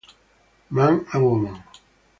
Man and Woman